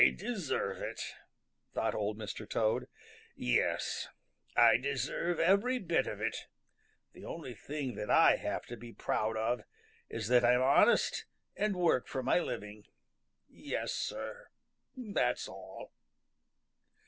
"I deserve it," thought Old Mr. Toad. "Yes, Sir, I deserve every bit of it. The only thing that I have to be proud of is that I'm honest and work for my living. Yes, Sir, that's all."